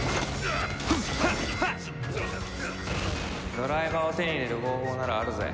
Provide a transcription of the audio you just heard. ドライバーを手に入れる方法ならあるぜ。